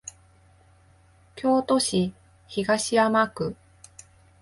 京都市東山区